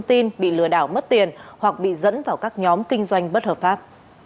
thông tin bị lừa đảo mất tiền hoặc bị dẫn vào các nhóm kinh doanh bất hợp pháp